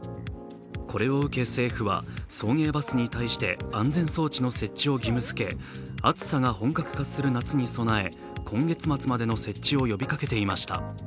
これを受け、政府は送迎バスに対して安全装置の設置を義務づけ暑さが本格化する夏に備え、今月末までの設置を呼びかけていました。